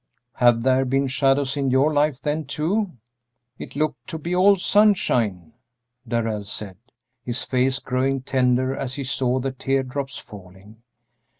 "Have there been shadows in your life, then, too? It looked to be all sunshine," Darrell said, his face growing tender as he saw the tear drops falling.